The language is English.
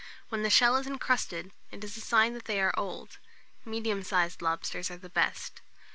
When the shell is incrusted, it is a sign they are old: medium sized lobsters are the best.